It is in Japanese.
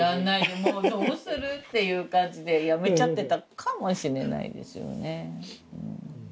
でもうどうする？っていう感じでやめちゃってたかもしれないですよね。